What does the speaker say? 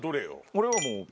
俺はもう。